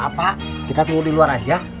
maaf pak kita tunggu di luar saja